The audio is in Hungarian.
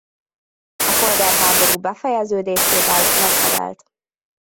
A polgárháború befejeződésével leszerelt.